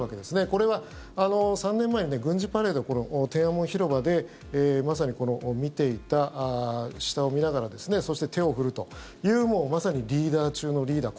これは３年前、軍事パレードを天安門広場で見ていた下を見ながらそして、手を振るというまさにリーダー中のリーダー。